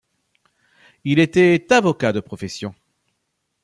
Il était avocat de profession.